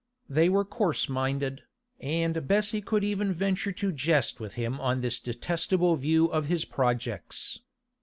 They were coarse minded, and Bessie could even venture to jest with him on this detestable view of his projects.